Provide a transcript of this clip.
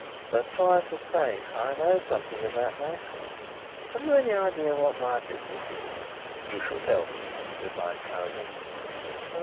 "But twice as safe. I know something of that, Max ... Have you any idea what my business is?" "You shall tell me," replied Carrados.